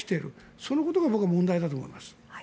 そのことが僕は問題だと思います。